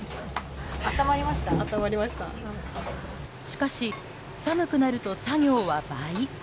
しかし、寒くなると作業は倍。